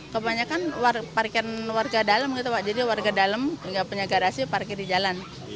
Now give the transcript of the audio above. kebanyakan parkir warga dalam jadi warga dalam tidak punya garasi parkir di jalan